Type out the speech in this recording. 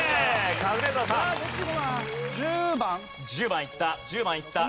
１０番いった１０番いった。